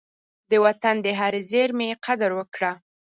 د وطن د هرې زېرمي قدر وکړه.